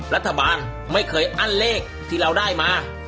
รัฐบาลไม่เคยอั้นเลขที่เราได้มา